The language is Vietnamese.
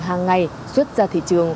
hàng ngày xuất ra thị trường